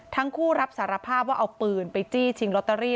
ทั้งคู่รับสารภาพว่าเอาปืนไปจี้ชิงลอตเตอรี่